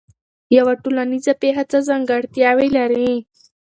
یوه ټولنیزه پېښه څه ځانګړتیاوې لري؟